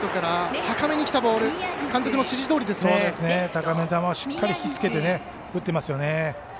高め球をしっかりひきつけて打ってますよね。